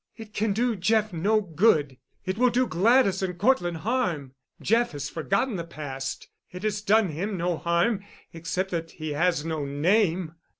"It can do Jeff no good. It will do Gladys and Cortland harm. Jeff has forgotten the past. It has done him no harm—except that he has no name.